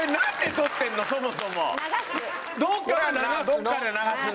どっかで流すの。